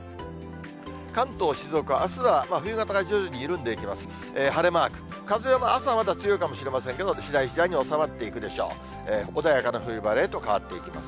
関東、静岡は、あすは冬型が徐々に緩んでいきます。